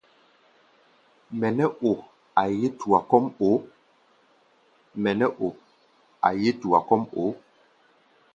Mɛ nɛ́ o á yeé tua kɔ́ʼm o?